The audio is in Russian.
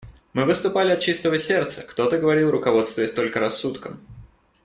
Мы выступали от чистого сердца; кто-то говорил, руководствуясь только рассудком.